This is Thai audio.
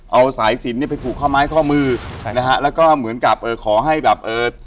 เอาสายสินเนี่ยไปผูกข้อไม้ข้อมือใช่นะฮะแล้วก็เหมือนกับเอ่อขอให้แบบเอ่อ